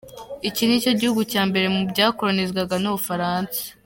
Iki nicyo gihugu cya mbere mu byakoronizwaga n’u Bufaransa.